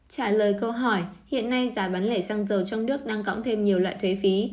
trả lời câu hỏi hiện nay giá bán lẻ xăng dầu trong nước đang gõng thêm nhiều loại thuế phí